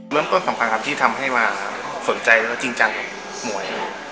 เวลาดูแล้วมีความสุขเวลาเห็นเด็กต่อยกันก็เลยเข้ามาจริงจันอยากเล่นจัน